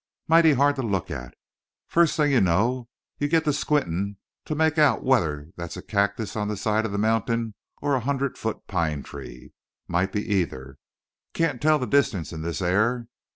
Mighty hard to look at. First thing you know you get to squinting to make out whether that's a cactus on the side of that mountain or a hundred foot pine tree. Might be either. Can't tell the distance in this air.